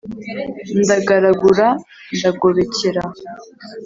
ndagaragura, ndagobekera,